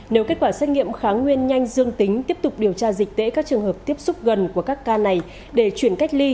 nếu kết quả xét nghiệm kháng nguyên nhanh dương tính tiếp tục điều tra dịch tễ các trường hợp tiếp xúc gần của các ca này để chuyển cách ly